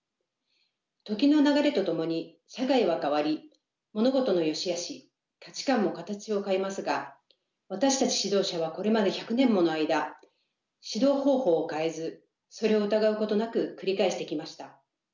時の流れとともに社会は変わり物事の善しあし価値観も形を変えますが私たち指導者はこれまで１００年もの間指導方法を変えずそれを疑うことなく繰り返してきました。